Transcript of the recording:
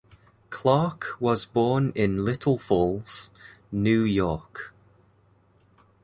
Clarke was born in Little Falls, New York.